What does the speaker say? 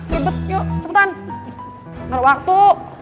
rebet yuk cepetan nggak ada waktu